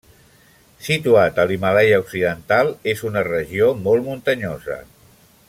Situat a l'Himàlaia occidental, és una regió molt muntanyosa.